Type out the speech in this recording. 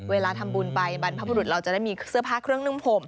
เวลาทำบุญไปบรรพบุรุษเราจะได้มีเสื้อผ้าเครื่องนึ่งผม